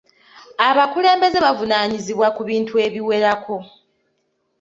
Abakulembeze bavunaanyizibwa ku bintu ebiwerako.